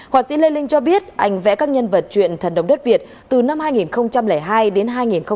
họa sĩ lê linh cho biết anh vẽ các nhân vật truyện thần đông đất việt từ năm hai nghìn hai đến hai nghìn năm